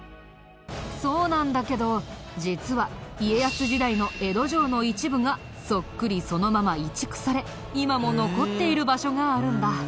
そうなんだけど実は家康時代の江戸城の一部がそっくりそのまま移築され今も残っている場所があるんだ。